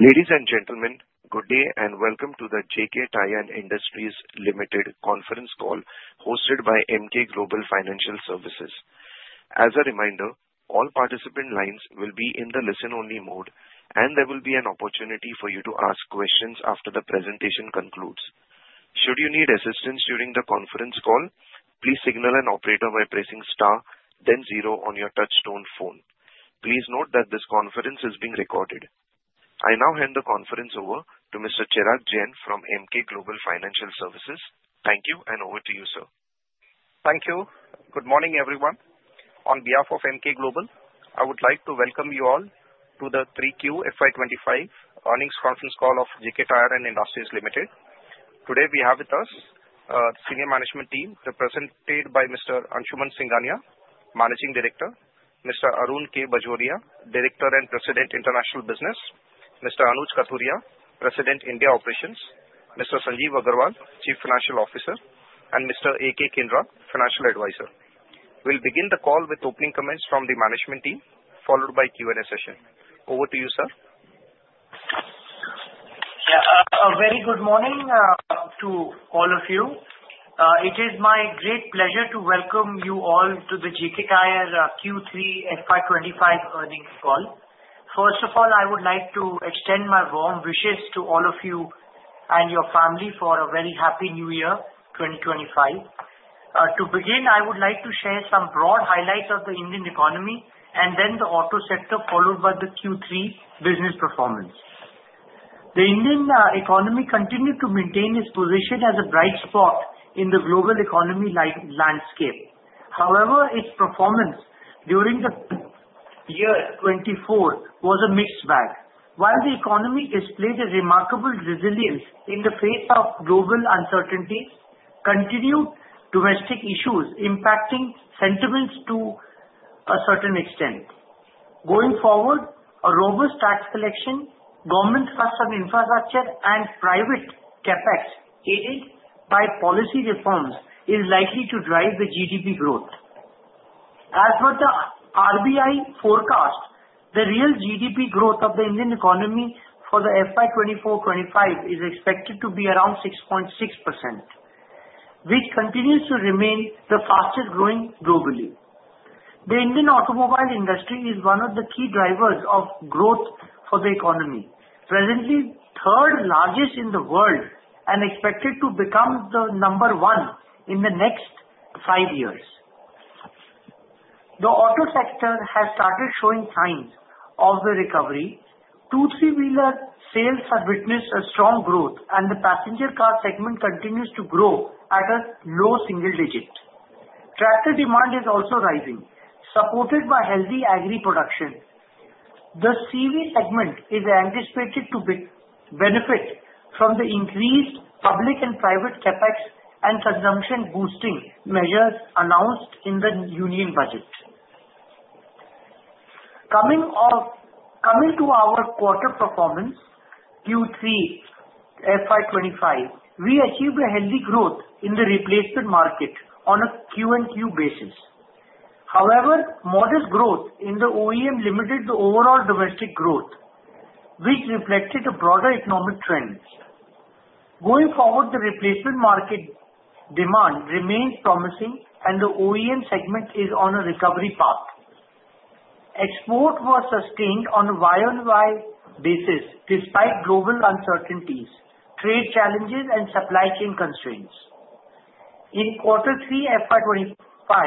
Ladies and gentlemen, good day and welcome to the JK Tyre & Industries Ltd. conference call hosted by Emkay Global Financial Services. As a reminder, all participant lines will be in the listen-only mode, and there will be an opportunity for you to ask questions after the presentation concludes. Should you need assistance during the conference call, please signal an operator by pressing star, then zero on your touch-tone phone. Please note that this conference is being recorded. I now hand the conference over to Mr. Chirag Jain from Emkay Global Financial Services. Thank you, and over to you, sir. Thank you. Good morning, everyone. On behalf of Emkay Global, I would like to welcome you all to the 3Q FY25 earnings conference call of JK Tyre & Industries Limited. Today, we have with us senior management team represented by Mr. Anshuman Singhania, Managing Director, Mr. Arun K. Bajoria, Director and President International Business, Mr. Anuj Kathuria, President India Operations, Mr. Sanjeev Aggarwal, Chief Financial Officer, and Mr. A.K. Kinra, Financial Advisor. We'll begin the call with opening comments from the management team, followed by Q&A session. Over to you, sir. Yeah, a very good morning to all of you. It is my great pleasure to welcome you all to the JK Tyre Q3 FY25 earnings call. First of all, I would like to extend my warm wishes to all of you and your family for a very happy new year, 2025. To begin, I would like to share some broad highlights of the Indian economy and then the auto sector, followed by the Q3 business performance. The Indian economy continued to maintain its position as a bright spot in the global economy landscape. However, its performance during the year 2024 was a mixed bag. While the economy displayed a remarkable resilience in the face of global uncertainties, continued domestic issues impacted sentiments to a certain extent. Going forward, a robust tax collection, government thrust on infrastructure, and private CapEx aided by policy reforms is likely to drive the GDP growth. As per the RBI forecast, the real GDP growth of the Indian economy for the FY24/25 is expected to be around 6.6%, which continues to remain the fastest growing globally. The Indian automobile industry is one of the key drivers of growth for the economy, presently third largest in the world and expected to become the number one in the next five years. The auto sector has started showing signs of the recovery. Two/Three-Wheeler sales have witnessed a strong growth, and the passenger car segment continues to grow at a low single digit. Tractor demand is also rising, supported by healthy agri-production. The CV segment is anticipated to benefit from the increased public and private CapEx and consumption boosting measures announced in the Union Budget. Coming to our quarter performance, Q3 FY25, we achieved a healthy growth in the replacement market on a Q&Q basis. However, modest growth in the OEM limited the overall domestic growth, which reflected a broader economic trend. Going forward, the replacement market demand remains promising, and the OEM segment is on a recovery path. Export was sustained on a Y-on-Y basis despite global uncertainties, trade challenges, and supply chain constraints. In Q3 FY25,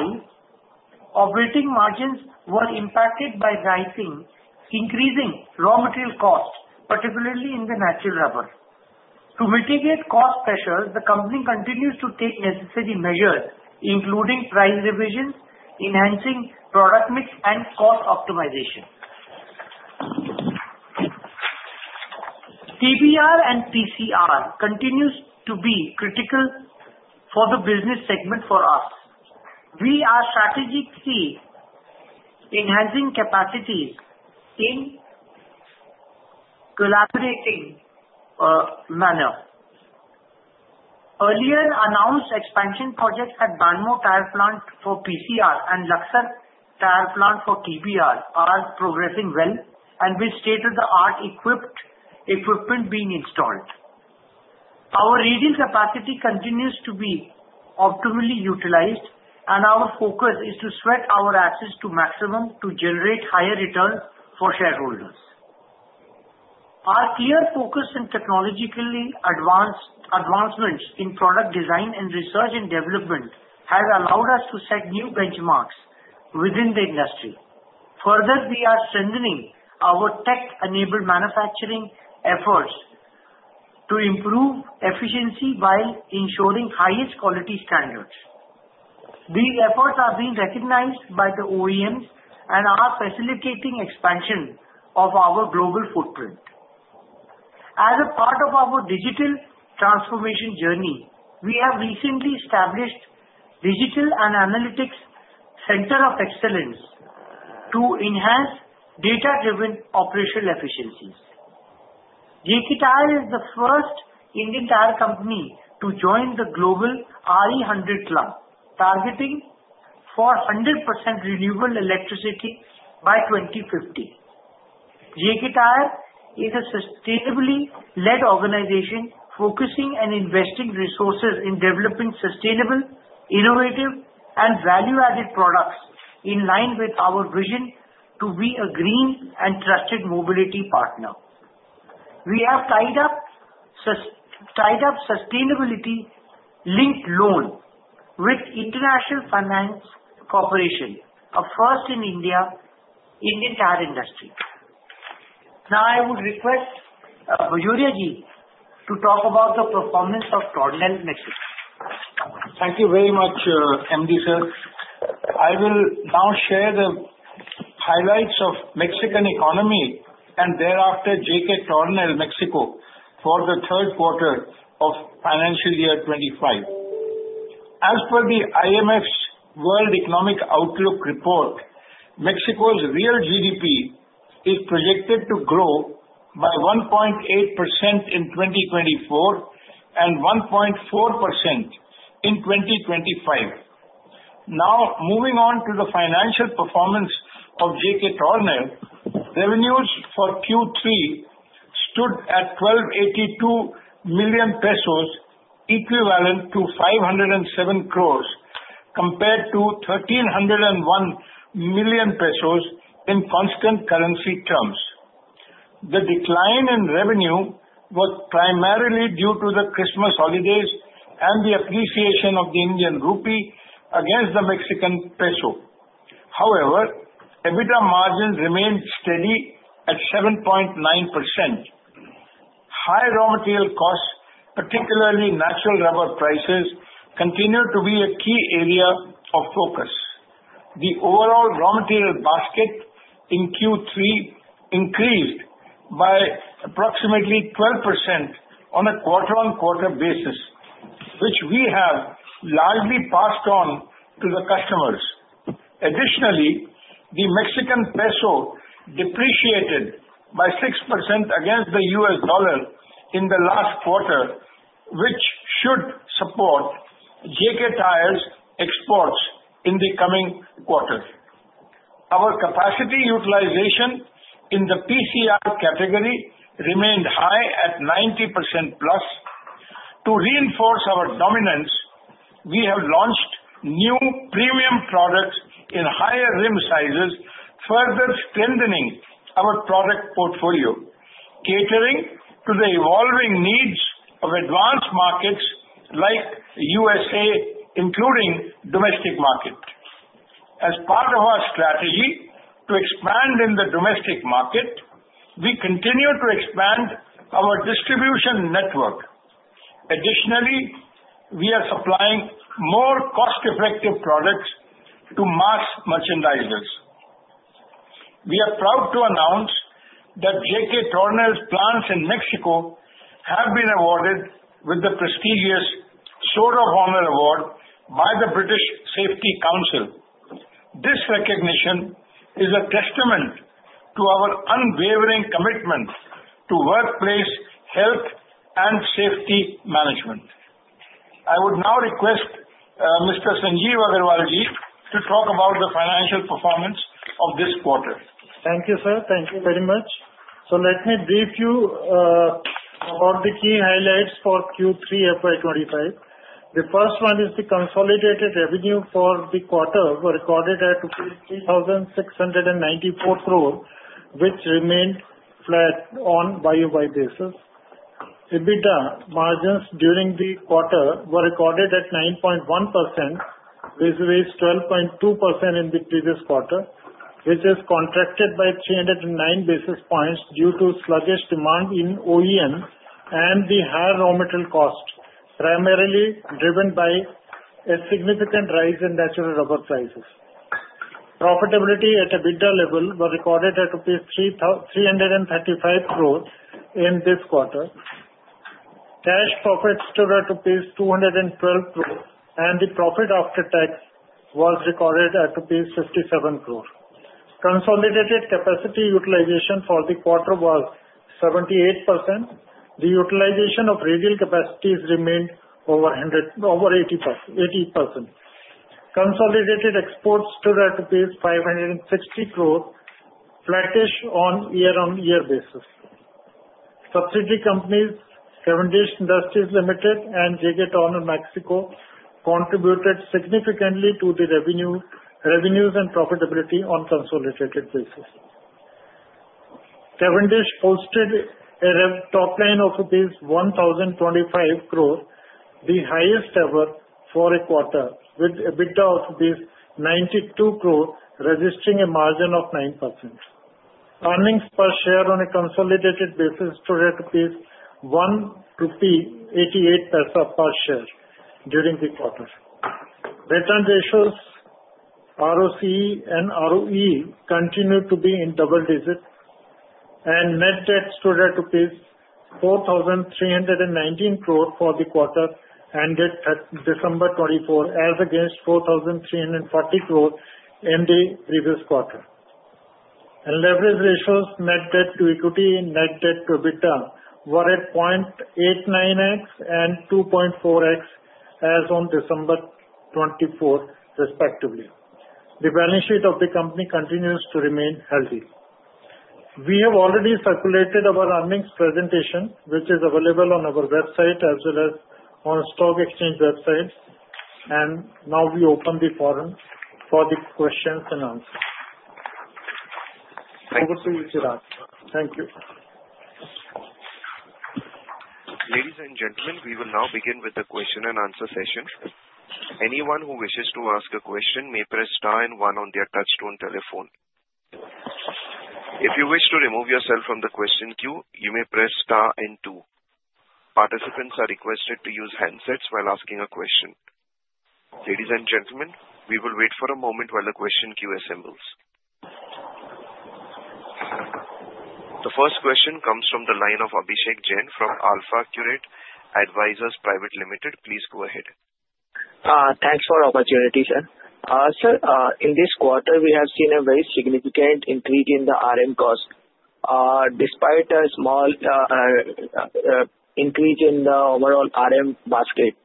operating margins were impacted by rising raw material costs, particularly in the natural rubber. To mitigate cost pressures, the company continues to take necessary measures, including price revisions, enhancing product mix, and cost optimization. TBR and PCR continue to be critical for the business segment for us. We are strategically enhancing capacities in a collaborative manner. Earlier announced expansion projects at Banmore Tyre Plant for PCR and Laksar Tyre Plant for TBR are progressing well, and with state-of-the-art equipment being installed. Our radial capacity continues to be optimally utilized, and our focus is to sweat our assets to maximum to generate higher returns for shareholders. Our clear focus and technologically advanced advancements in product design and research and development have allowed us to set new benchmarks within the industry. Further, we are strengthening our tech-enabled manufacturing efforts to improve efficiency while ensuring highest quality standards. These efforts are being recognized by the OEMs and are facilitating the expansion of our global footprint. As a part of our digital transformation journey, we have recently established a digital and analytics center of excellence to enhance data-driven operational efficiencies. JK Tyre is the first Indian tire company to join the global RE100 club, targeting 100% renewable electricity by 2050. JK Tyre is a sustainably led organization focusing and investing resources in developing sustainable, innovative, and value-added products in line with our vision to be a green and trusted mobility partner. We have tied up sustainability-linked loans with International Finance Corporation, a first in India in the tire industry. Now, I would request Bajoria Ji to talk about the performance of Tornel, Mexico. Thank you very much, MD sir. I will now share the highlights of the Mexican economy and thereafter JK Tornel, Mexico, for the third quarter of financial year 2025. As per the IMF's World Economic Outlook report, Mexico's real GDP is projected to grow by 1.8% in 2024 and 1.4% in 2025. Now, moving on to the financial performance of JK Tornel, revenues for Q3 stood at 1,282 million pesos, equivalent to 507 crore, compared to 1,301 million pesos in constant currency terms. The decline in revenue was primarily due to the Christmas holidays and the appreciation of the Indian rupee against the Mexican peso. However, EBITDA margins remained steady at 7.9%. High raw material costs, particularly natural rubber prices, continue to be a key area of focus. The overall raw material basket in Q3 increased by approximately 12% on a quarter-on-quarter basis, which we have largely passed on to the customers. Additionally, the Mexican peso depreciated by 6% against the U.S. dollar in the last quarter, which should support JK Tyre's exports in the coming quarter. Our capacity utilization in the PCR category remained high at 90% plus. To reinforce our dominance, we have launched new premium products in higher rim sizes, further strengthening our product portfolio, catering to the evolving needs of advanced markets like the USA, including the domestic market. As part of our strategy to expand in the domestic market, we continue to expand our distribution network. Additionally, we are supplying more cost-effective products to mass merchandisers. We are proud to announce that JK Tornel's plants in Mexico have been awarded with the prestigious Sword of Honour by the British Safety Council. This recognition is a testament to our unwavering commitment to workplace health and safety management. I would now request Mr. Sanjeev Aggarwal Ji to talk about the financial performance of this quarter. Thank you, sir. Thank you very much. So let me brief you about the key highlights for Q3 FY25. The first one is the consolidated revenue for the quarter was recorded at 3,694 crores, which remained flat on a Y-on-Y basis. EBITDA margins during the quarter were recorded at 9.1%, which was 12.2% in the previous quarter, which was contracted by 309 basis points due to sluggish demand in OEM and the higher raw material cost, primarily driven by a significant rise in natural rubber prices. Profitability at EBITDA level was recorded at 335 crores in this quarter. Cash profits stood at rupees 212 crores, and the profit after tax was recorded at rupees 57 crores. Consolidated capacity utilization for the quarter was 78%. The utilization of radial capacities remained over 80%. Consolidated exports stood at 560 crores, flattish on a year-on-year basis. Subsidiary companies, Cavendish Industries Ltd. and JK Tornel Mexico contributed significantly to the revenues and profitability on a consolidated basis. Cavendish posted a top line of rupees 1,025 crores, the highest ever for a quarter, with EBITDA of rupees 92 crores, registering a margin of 9%. Earnings per share on a consolidated basis stood at 1.88 per share during the quarter. Return ratios, ROCE and ROE, continued to be in double digits, and net debt stood at rupees 4,319 crores for the quarter ended December 2024, as against 4,340 crores in the previous quarter, and leverage ratios, net debt to equity and net debt to EBITDA were at 0.89x and 2.4x as on December 2024, respectively. The balance sheet of the company continues to remain healthy. We have already circulated our earnings presentation, which is available on our website as well as on stock exchange websites. Now we open the forum for the questions and answers. Over to you, Chirag. Thank you. Ladies and gentlemen, we will now begin with the question and answer session. Anyone who wishes to ask a question may press star and one on their touch-tone telephone. If you wish to remove yourself from the question queue, you may press star and two. Participants are requested to use handsets while asking a question. Ladies and gentlemen, we will wait for a moment while the question queue assembles. The first question comes from the line of Abhishek Jain from AlfAccurate Advisors Private Limited. Please go ahead. Thanks for the opportunity, sir. Sir, in this quarter, we have seen a very significant increase in the RM cost, despite a small increase in the overall RM basket.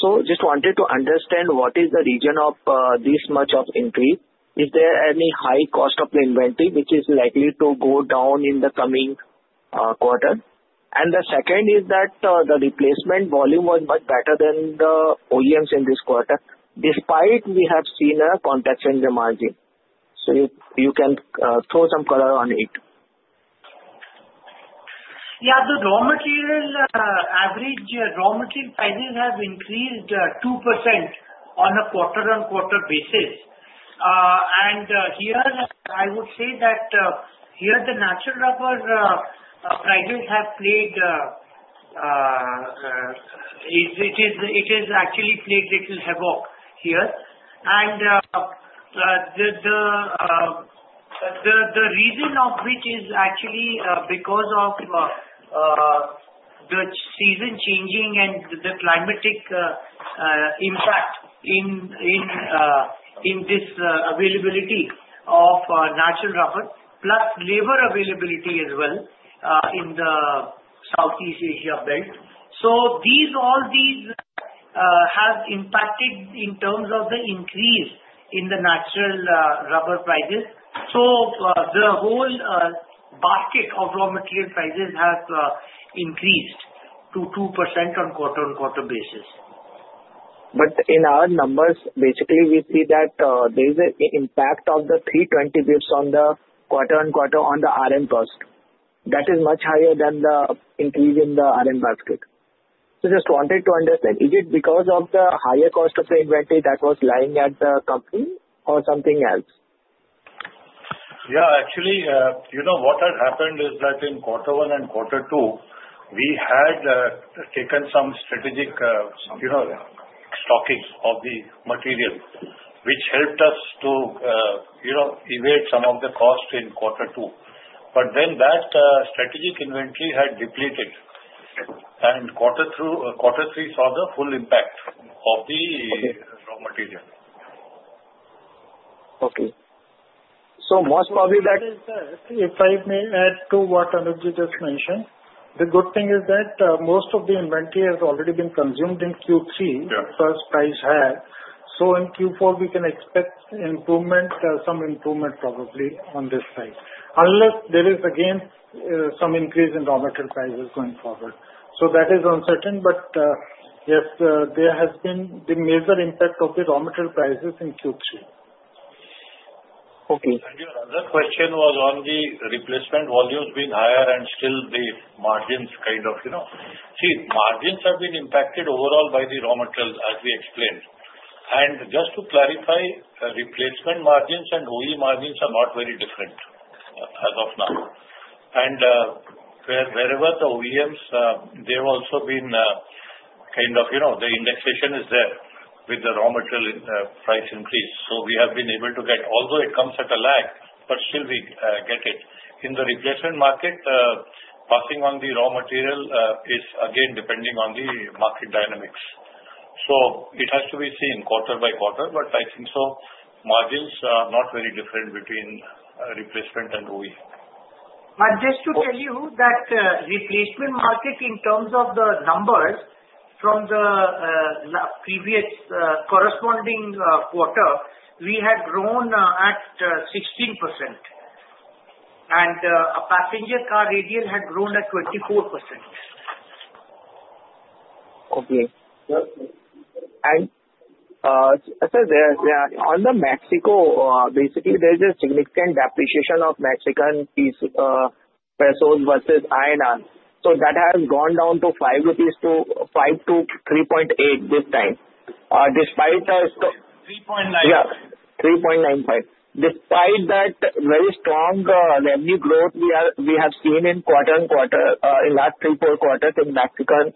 So just wanted to understand what is the reason of this much of increase. Is there any high cost of the inventory, which is likely to go down in the coming quarter? And the second is that the replacement volume was much better than the OEMs in this quarter, despite we have seen a contraction in the margin. So you can throw some color on it. Yeah, the average raw material prices have increased 2% on a quarter-on-quarter basis. Here, I would say that the natural rubber prices have actually played a little havoc here. The reason for which is actually because of the season changing and the climatic impact on the availability of natural rubber, plus labor availability as well in the Southeast Asia belt. All these have impacted in terms of the increase in the natural rubber prices. The whole basket of raw material prices have increased to 2% on a quarter-on-quarter basis. But in our numbers, basically, we see that there is an impact of the 320 basis points on the quarter-on-quarter on the RM cost. That is much higher than the increase in the RM basket. So just wanted to understand, is it because of the higher cost of the inventory that was lying at the company or something else? Yeah, actually, what had happened is that in quarter one and quarter two, we had taken some strategic stocking of the material, which helped us to evade some of the cost in quarter two. But then that strategic inventory had depleted, and quarter three saw the full impact of the raw material. Okay. So most probably that. If I may add to what Anuj ji just mentioned, the good thing is that most of the inventory has already been consumed in Q3, first price hike. So in Q4, we can expect improvement, some improvement probably on this side, unless there is again some increase in raw material prices going forward. So that is uncertain, but yes, there has been the major impact of the raw material prices in Q3. Okay. And your other question was on the replacement volumes being higher and still the margins kind of see. Margins have been impacted overall by the raw material, as we explained. And just to clarify, replacement margins and OE margins are not very different as of now. And wherever the OEMs, they've also been kind of the indexation is there with the raw material price increase. So we have been able to get, although it comes at a lag, but still we get it. In the replacement market, passing on the raw material is again depending on the market dynamics. So it has to be seen quarter by quarter, but I think so margins are not very different between replacement and OE. But just to tell you that replacement market in terms of the numbers from the previous corresponding quarter, we had grown at 16%. And a Passenger Car Radial had grown at 24%. Okay. And sir, on the Mexico, basically, there's a significant depreciation of Mexican pesos versus INR. So that has gone down to 5 to 3.8 this time, despite the. 3.9. Yeah, 3.95. Despite that very strong revenue growth we have seen quarter on quarter, in last three, four quarters in Mexico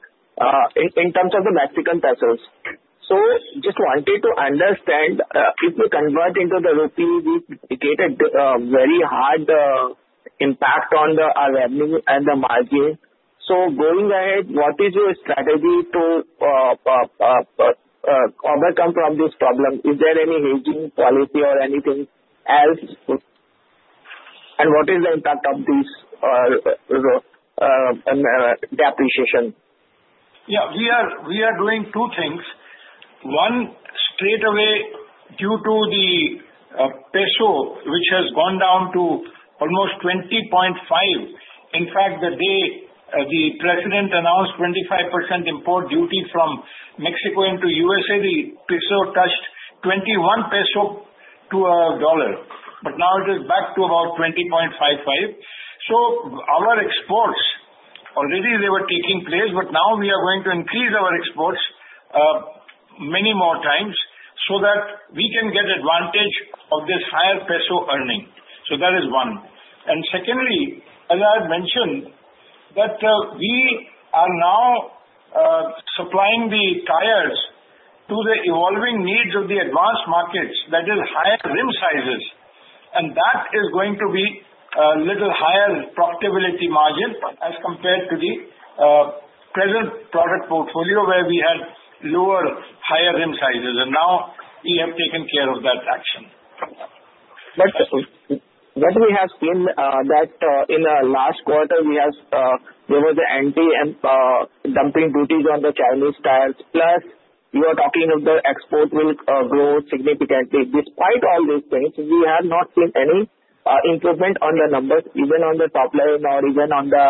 in terms of the Mexican pesos. So just wanted to understand, if we convert into the rupee, we get a very hard impact on the revenue and the margin. So going ahead, what is your strategy to overcome from this problem? Is there any hedging policy or anything else? And what is the impact of this depreciation? Yeah, we are doing two things. One, straight away, due to the peso, which has gone down to almost 20.5. In fact, the day the president announced 25% import duty from Mexico into USA, the peso touched 21 pesos to a dollar. But now it is back to about 20.55. So our exports already, they were taking place, but now we are going to increase our exports many more times so that we can get advantage of this higher peso earning. So that is one. And secondly, as I had mentioned, that we are now supplying the tires to the evolving needs of the advanced markets, that is, higher rim sizes. And that is going to be a little higher profitability margin as compared to the present product portfolio where we had lower higher rim sizes. And now we have taken care of that action. But what we have seen that in the last quarter, there was an anti-dumping duties on the Chinese tires, plus you are talking of the export will grow significantly. Despite all these things, we have not seen any improvement on the numbers, even on the top line or even on the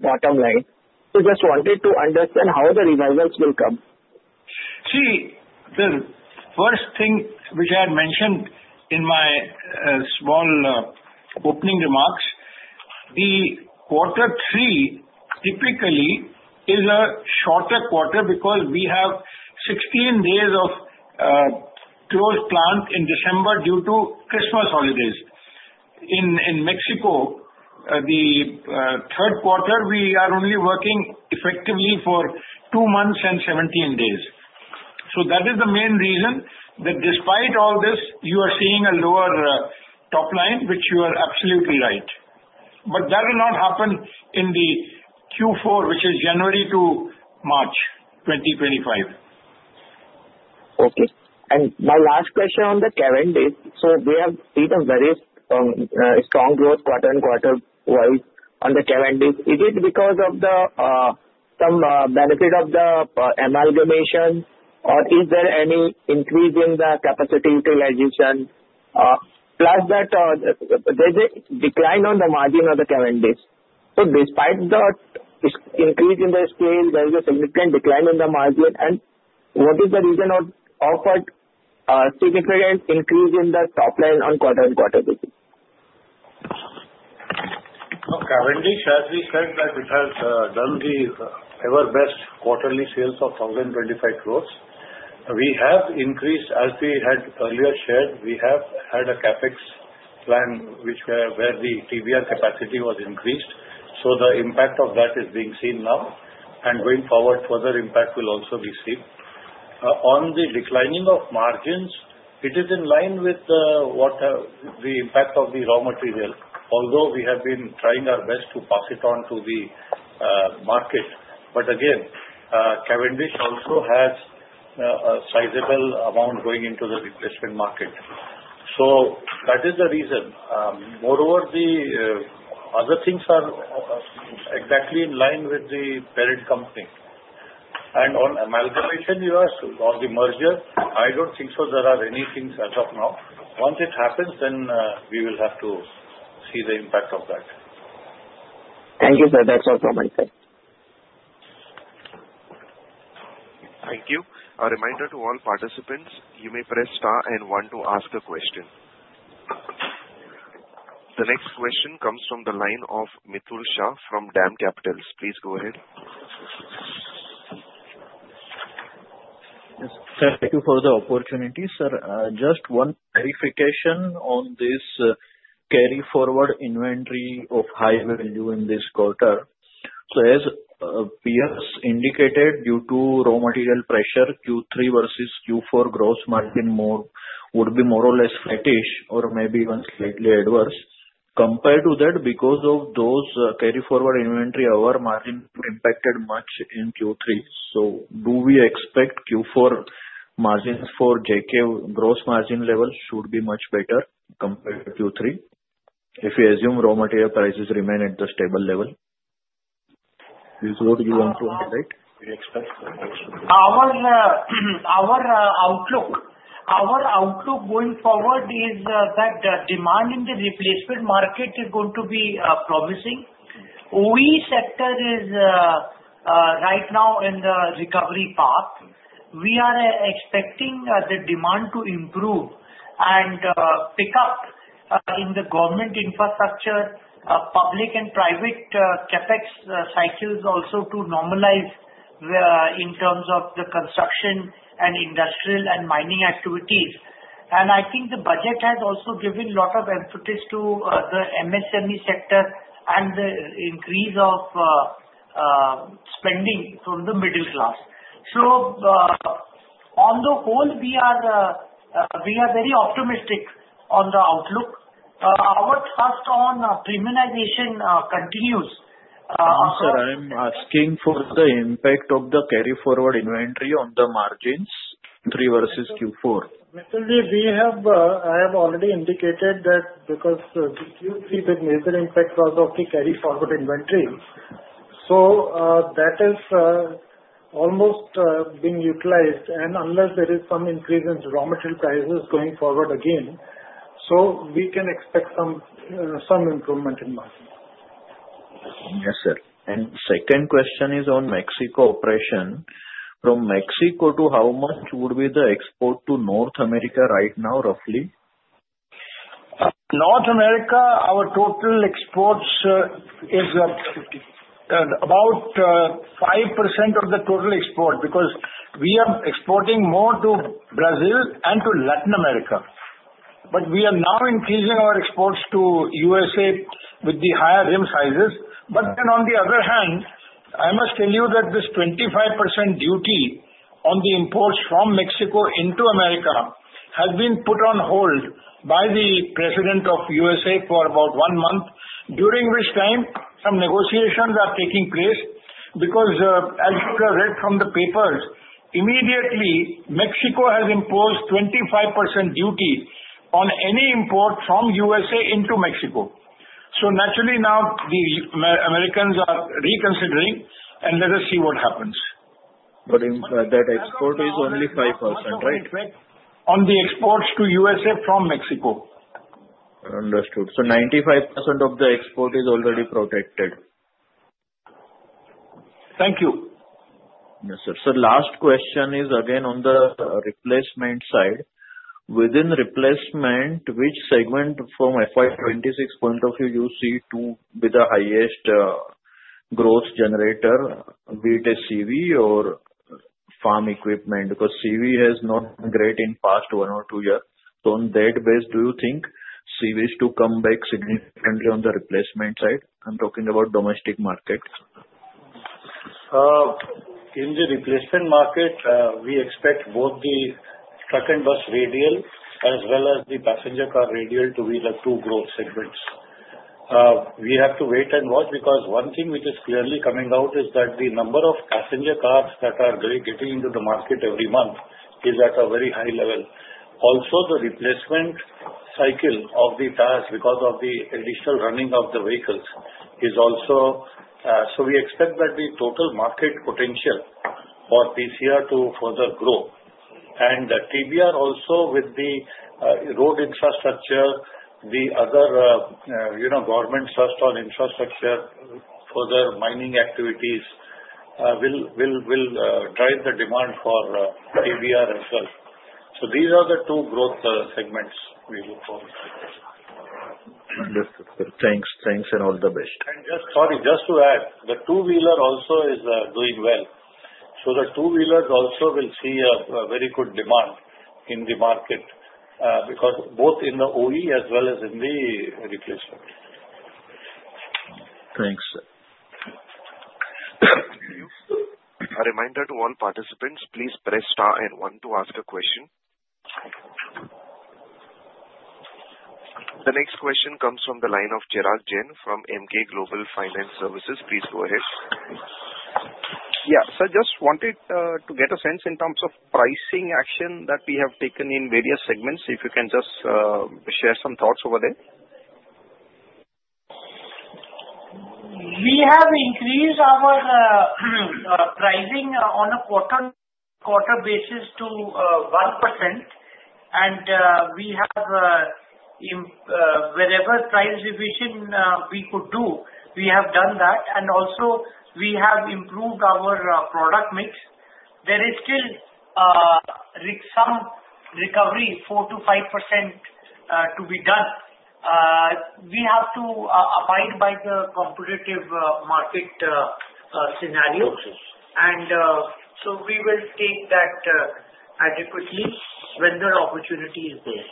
bottom line. So just wanted to understand how the revisions will come. See, the first thing which I had mentioned in my small opening remarks, the quarter three typically is a shorter quarter because we have 16 days of closed plant in December due to Christmas holidays. In Mexico, the third quarter, we are only working effectively for two months and 17 days. So that is the main reason that despite all this, you are seeing a lower top line, which you are absolutely right. But that will not happen in the Q4, which is January to March 2025. Okay. And my last question on the Cavendish. So we have seen a very strong growth quarter on quarter-wise on the Cavendish. Is it because of some benefit of the amalgamation, or is there any increase in the capacity utilization? Plus, there's a decline in the margin of the Cavendish. So despite the increase in the scale, there is a significant decline in the margin. And what is the reason for the significant increase in the top line quarter on quarter? Now, Cavendish, as we said, that it has done the ever-best quarterly sales of 1,025 crores. We have increased, as we had earlier shared, we have had a CapEx plan where the TBR capacity was increased. So the impact of that is being seen now. And going forward, further impact will also be seen. On the declining of margins, it is in line with the impact of the raw material, although we have been trying our best to pass it on to the market. But again, Cavendish also has a sizable amount going into the replacement market. So that is the reason. Moreover, the other things are exactly in line with the parent company. And on amalgamation, you asked, on the merger, I don't think so there are any things as of now. Once it happens, then we will have to see the impact of that. Thank you, sir. That's all from my side. Thank you. A reminder to all participants, you may press star and one to ask a question. The next question comes from the line of Mitul Shah from DAM Capital. Please go ahead. Sir, thank you for the opportunity. Sir, just one clarification on this carry-forward inventory of high value in this quarter. So as previous indicated, due to raw material pressure, Q3 versus Q4 gross margin would be more or less flat-ish or maybe even slightly adverse. Compared to that, because of those carry-forward inventory, our margin impacted much in Q3. So do we expect Q4 margins for JK gross margin level should be much better compared to Q3 if we assume raw material prices remain at the stable level? Is what you want to highlight? Our outlook going forward is that demand in the replacement market is going to be promising. OE sector is right now in the recovery path. We are expecting the demand to improve and pick up in the government infrastructure, public and private CapEx cycles also to normalize in terms of the construction and industrial and mining activities. And I think the budget has also given a lot of emphasis to the MSME sector and the increase of spending from the middle class. So on the whole, we are very optimistic on the outlook. Our trust on premiumization continues. Sir, I'm asking for the impact of the carry-forward inventory on the margins, Q3 versus Q4? Mitul Shah, I have already indicated that because Q3 the major impact was of the carry-forward inventory. So that has almost been utilized, and unless there is some increase in raw material prices going forward again, so we can expect some improvement in margin. Yes, sir. And second question is on Mexico operation. From Mexico to how much would be the export to North America right now, roughly? North America, our total exports is about 5% of the total export because we are exporting more to Brazil and to Latin America. But we are now increasing our exports to USA with the higher rim sizes. But then on the other hand, I must tell you that this 25% duty on the imports from Mexico into America has been put on hold by the president of USA for about one month, during which time some negotiations are taking place because, as you read from the papers, immediately Mexico has imposed 25% duty on any import from USA into Mexico. So naturally, now the Americans are reconsidering, and let us see what happens. That export is only 5%, right? On the exports to USA from Mexico. Understood. So 95% of the export is already protected. Thank you. Yes, sir. So last question is again on the replacement side. Within replacement, which segment from FY 26 point of view, you see with the highest growth generator, be it a CV or farm equipment? Because CV has not been great in past one or two years. So on that base, do you think CVs to come back significantly on the replacement side? I'm talking about domestic market. In the replacement market, we expect both the truck and bus radial as well as the passenger car radial to be the two growth segments. We have to wait and watch because one thing which is clearly coming out is that the number of passenger cars that are getting into the market every month is at a very high level. Also, the replacement cycle of the tires because of the additional running of the vehicles is also, so we expect that the total market potential for PCR to further grow, and the TBR also with the road infrastructure, the other government thrust on infrastructure, further mining activities will drive the demand for TBR as well, so these are the two growth segments we look forward to. Understood, sir. Thanks. Thanks and all the best. Just sorry, just to add, the two-wheeler also is doing well. The two-wheelers also will see a very good demand in the market because both in the OE as well as in the replacement. Thanks, sir. A reminder to all participants, please press star and one to ask a question. The next question comes from the line of Chirag Jain from Emkay Global Financial Services. Please go ahead. Yeah, sir, just wanted to get a sense in terms of pricing action that we have taken in various segments. If you can just share some thoughts over there. We have increased our pricing on a quarter-quarter basis to 1%, and wherever price revision we could do, we have done that, and also we have improved our product mix. There is still some recovery, 4%-5% to be done. We have to abide by the competitive market scenario, and so we will take that adequately when the opportunity is there.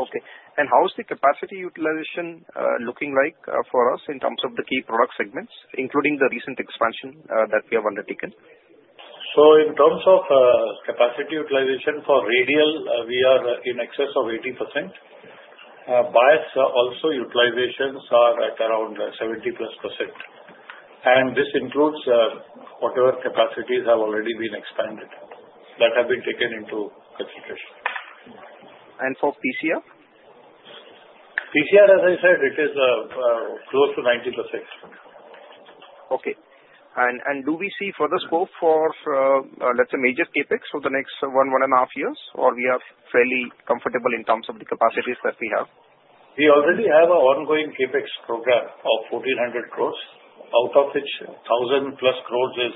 Okay. And how is the capacity utilization looking like for us in terms of the key product segments, including the recent expansion that we have undertaken? So in terms of capacity utilization for radial, we are in excess of 80%. Bias utilization is at around 70 plus percent. And this includes whatever capacities have already been expanded that have been taken into consideration. For PCR? PCR, as I said, it is close to 90%. Okay. And do we see further scope for, let's say, major CapEx for the next one and a half years, or we are fairly comfortable in terms of the capacities that we have? We already have an ongoing CapEx program of 1,400 crores, out of which 1,000 plus crores is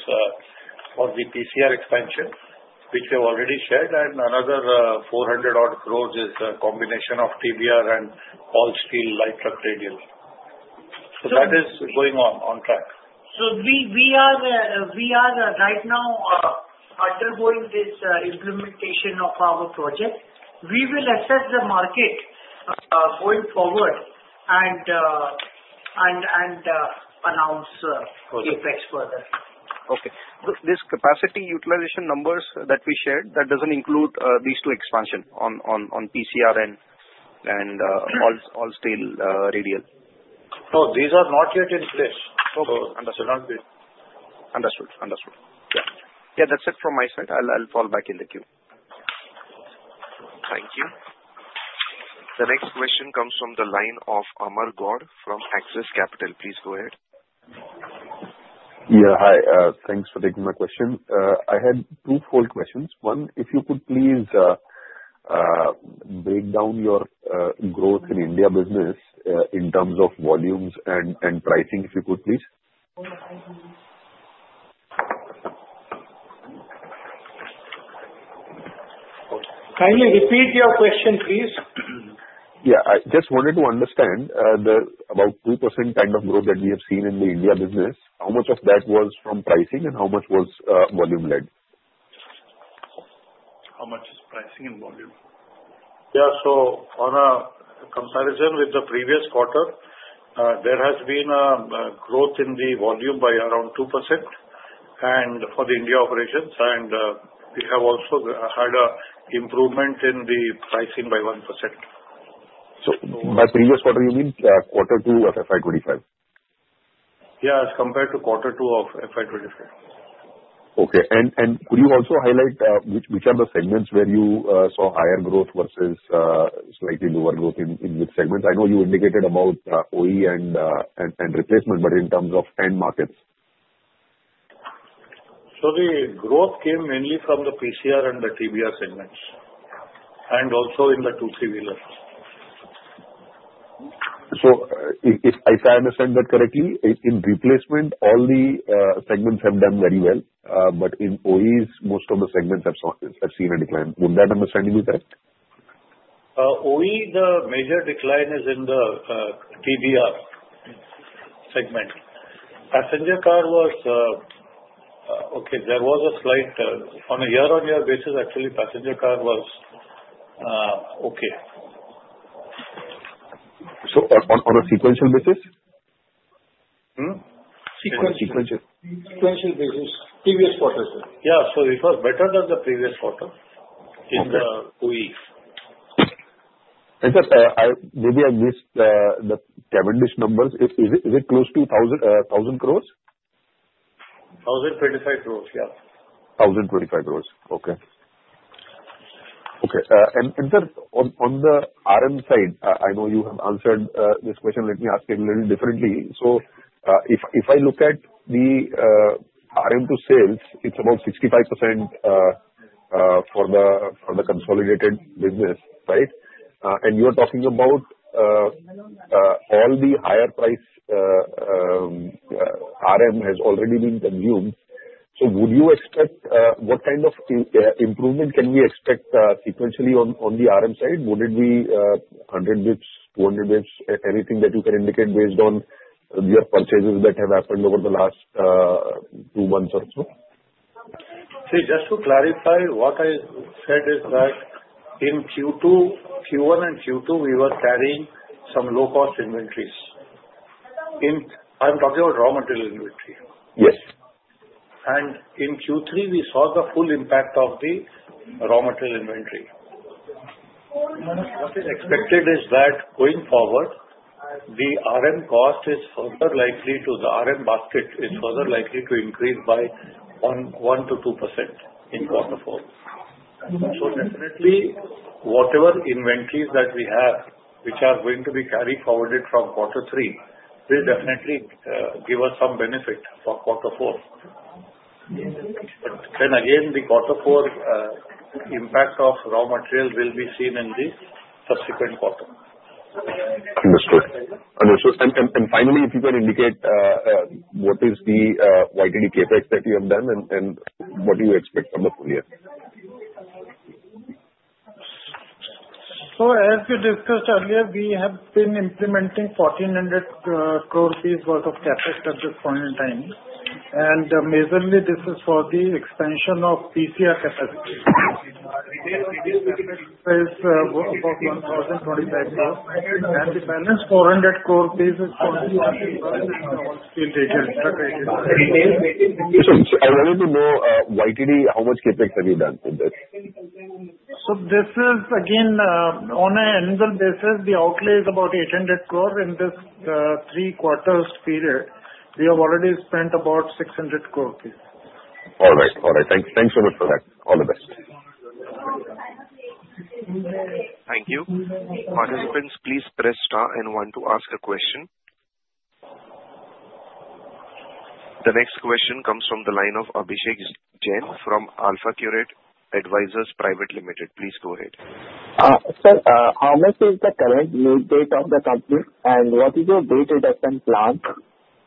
for the PCR expansion, which we have already shared, and another 400 odd crores is a combination of TBR and All-Steel Light Truck Radial. So that is going on track. So we are right now undergoing this implementation of our project. We will assess the market going forward and announce CapEx further. Okay. This capacity utilization numbers that we shared, that doesn't include these two expansions on PCR and All-Steel Radial. No, these are not yet in place. Understood. Yeah, that's it from my side. I'll fall back in the queue. Thank you. The next question comes from the line of Amar Kant Gaur from Axis Capital. Please go ahead. Yeah, hi. Thanks for taking my question. I had two follow-up questions. One, if you could please break down your growth in India business in terms of volumes and pricing, if you could, please. Kindly repeat your question, please. Yeah. I just wanted to understand about 2% kind of growth that we have seen in the India business. How much of that was from pricing and how much was volume-led? How much is pricing and volume? Yeah. So on a comparison with the previous quarter, there has been a growth in the volume by around 2% for the India operations. And we have also had an improvement in the pricing by 1%. So by previous quarter, you mean quarter two of FY25? Yeah, as compared to quarter two of FY25. Okay, and could you also highlight which are the segments where you saw higher growth versus slightly lower growth in which segments? I know you indicated about OE and replacement, but in terms of end markets. So the growth came mainly from the PCR and the TBR segments, and also in the two three-wheelers. So if I understand that correctly, in replacement, all the segments have done very well. But in OEMs, most of the segments have seen a decline. Would that understanding be correct? OEM, the major decline is in the TBR segment. Passenger car was okay. There was a slight on a year-on-year basis, actually, passenger car was okay. So on a sequential basis? Sequential. Sequential. Sequential basis. Previous quarter, sir. Yeah, so it was better than the previous quarter in the OE. Sir, maybe I missed the Cavendish numbers. Is it close to 1,000 crores? 1,025 crores, yeah. 1,025 crores. Okay. Okay. And sir, on the RM side, I know you have answered this question. Let me ask it a little differently. So if I look at the RM to sales, it's about 65% for the consolidated business, right? And you are talking about all the higher price RM has already been consumed. So would you expect what kind of improvement can we expect sequentially on the RM side? Would it be 100 basis points, 200 basis points, anything that you can indicate based on your purchases that have happened over the last two months or so? See, just to clarify, what I said is that in Q1 and Q2, we were carrying some low-cost inventories. I'm talking about raw material inventory. Yes. In Q3, we saw the full impact of the raw material inventory. What is expected is that going forward, the RM basket is further likely to increase by 1%-2% in quarter four. Definitely, whatever inventories that we have, which are going to be carried forward from quarter three, will definitely give us some benefit for quarter four. Then again, the quarter four impact of raw material will be seen in the subsequent quarter. Understood. Understood, and finally, if you can indicate what is the YTD CapEx that you have done and what do you expect from the full year? So as we discussed earlier, we have been implementing 1,400 crore rupees worth of CapEx at this point in time. And majorly, this is for the expansion of PCR capacity. It is about INR 1,025 crores. And the balance, 400 crore rupees, is for the All-Steel Radial truck radial. So I wanted to know, YTD, how much CapEx have you done in this? This is, again, on an annual basis, the outlay is about 800 crore in this three-quarters period. We have already spent about 600 crore rupees. All right. All right. Thanks so much for that. All the best. Thank you. Participants, please press star and one to ask a question. The next question comes from the line of Abhishek Jain from AlfAccurate Advisors Private Limited. Please go ahead. Sir, how much is the current net debt of the company? And what is your debt reduction plan?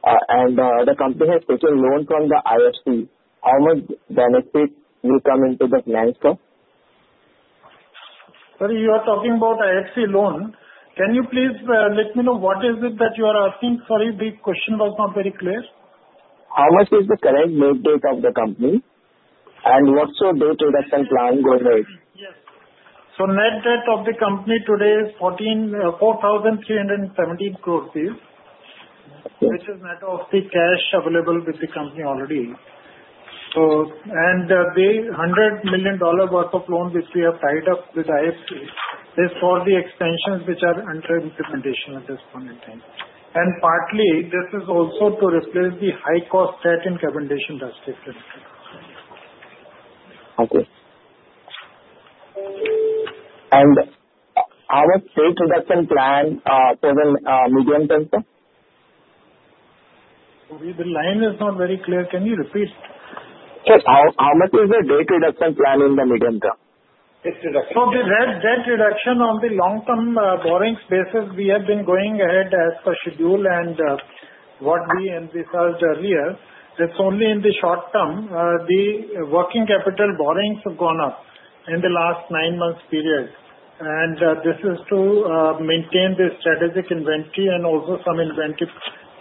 And the company has taken loan from the IFC. How much benefit will come into the finance? Sir, you are talking about IFC loan. Can you please let me know what is it that you are asking? Sorry, the question was not very clear. How much is the current net debt of the company? And what's your debt reduction plan going ahead? So net debt of the company today is 4,317 crore rupees, which is net of the cash available with the company already. And the $100 million worth of loan which we have tied up with IFC is for the expansions which are under implementation at this point in time. And partly, this is also to replace the high-cost dept in Cavendish Industries. Okay. And how much debt reduction plan for the medium term? The line is not very clear. Can you repeat? Sir, how much is the debt reduction plan in the medium term? It's reduction, so the debt reduction on the long-term borrowings basis, we have been going ahead as per schedule, and what we discussed earlier, it's only in the short term. The working capital borrowings have gone up in the last nine months period, and this is to maintain the strategic inventory and also some inventory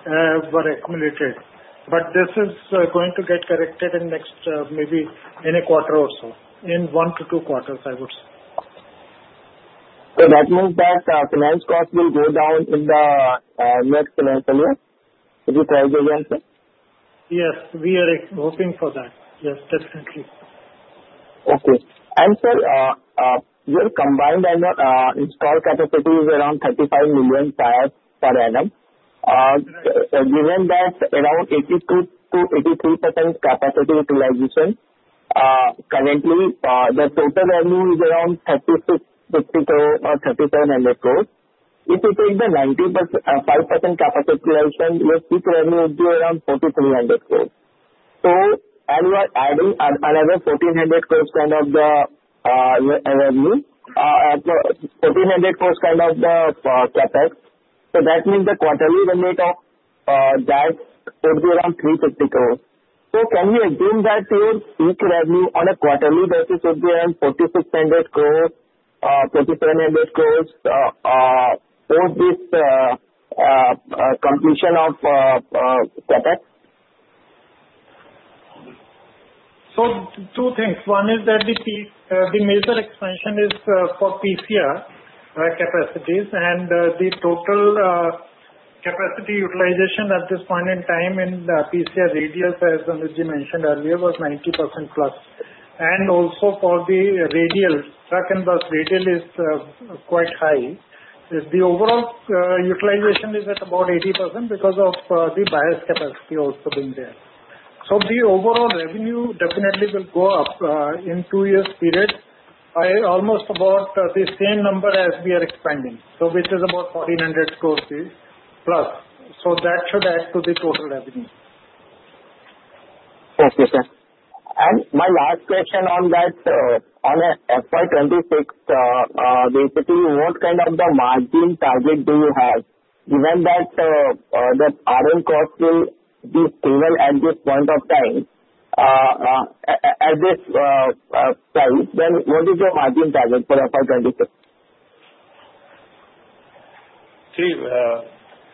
were accumulated, but this is going to get corrected in next maybe in a quarter or so, in one to two quarters, I would say. So that means that finance cost will go down in the next financial year? Would you correct the answer? Yes. We are hoping for that. Yes, definitely. Okay. And sir, your combined installed capacity is around 35 million per annum. Given that around 82%-83% capacity utilization, currently, the total revenue is around 3,700 crores. If you take the 95% capacity utilization, your peak revenue would be around INR 4,300 crores. So you are adding another INR 1,400 crores kind of the revenue, INR 1,400 crores kind of the CapEx. So that means the quarterly revenue of that would be around 350 crores. So can you assume that your peak revenue on a quarterly basis would be around 4,600 crores-4,700 crores post this completion of CapEx? Two things. One is that the major expansion is for PCR capacities. The total capacity utilization at this point in time in the PCR radial, as Anuj mentioned earlier, was 90% plus. Also for the radial, truck and bus radial is quite high. The overall utilization is at about 80% because of the bias capacity also being there. The overall revenue definitely will go up in two years' period by almost about the same number as we are expanding, which is about 1,400 crores plus. That should add to the total revenue. Thank you, sir. And my last question on that, on FY26, basically, what kind of margin target do you have? Given that the RM cost will be stable at this point of time, at this price, then what is your margin target for FY26? See,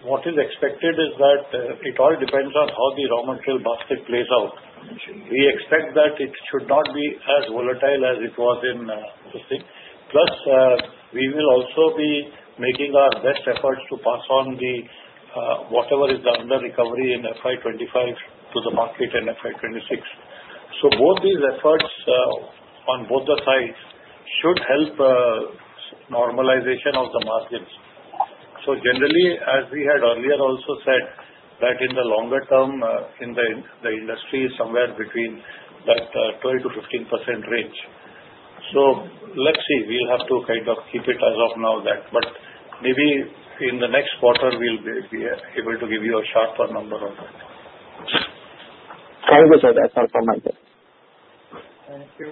what is expected is that it all depends on how the raw material basket plays out. We expect that it should not be as volatile as it was in this thing. Plus, we will also be making our best efforts to pass on whatever is the under recovery in FY25 to the market in FY26. So both these efforts on both the sides should help normalization of the margins. So generally, as we had earlier also said, that in the longer term, in the industry, somewhere between that 12%-15% range. So let's see. We'll have to kind of keep it as of now that. But maybe in the next quarter, we'll be able to give you a sharper number on that. Thank you, sir. That's all from my side. Thank you.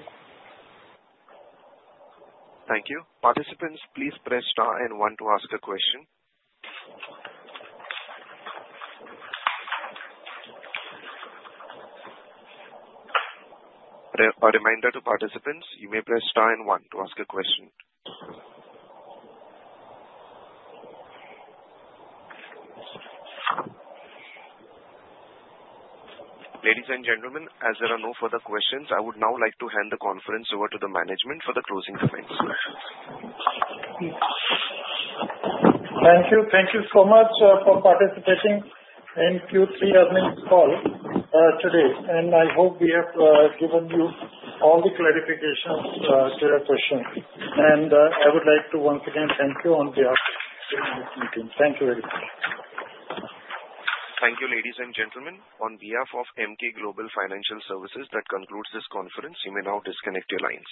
Thank you. Participants, please press star and one to ask a question. A reminder to participants, you may press star and one to ask a question. Ladies and gentlemen, as there are no further questions, I would now like to hand the conference over to the management for the closing comments. Thank you. Thank you so much for participating in Q3 earnings call today. And I hope we have given you all the clarifications to your questions. And I would like to once again thank you on behalf of this meeting. Thank you very much. Thank you, ladies and gentlemen. On behalf of Emkay Global Financial Services, that concludes this conference. You may now disconnect your lines.